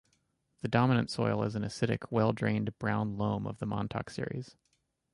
The dominant soil is an acidic well drained brown loam of the Montauk series.